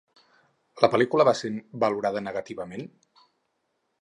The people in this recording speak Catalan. La pel·lícula va ser valorada negativament?